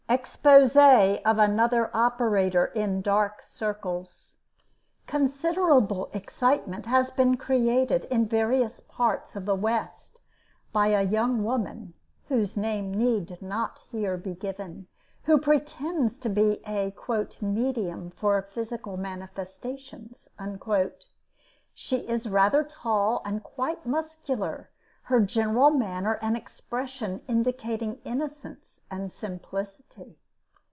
EXPOSÉ OF ANOTHER OPERATOR IN DARK CIRCLES. Considerable excitement has been created in various parts of the West by a young woman, whose name need not here be given, who pretends to be a "medium for physical manifestations." She is rather tall and quite muscular, her general manner and expression indicating innocence and simplicity.